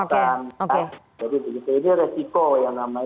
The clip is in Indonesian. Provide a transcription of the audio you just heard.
jadi resiko yang namanya